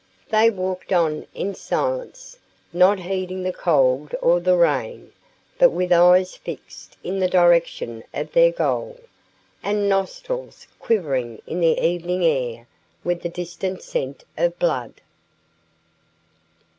They walked on in silence, not heeding the cold or the rain, but with eyes fixed in the direction of their goal, and nostrils quivering in the evening air with the distant scent of blood.